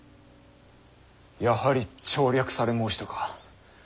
やはり調略され申したか。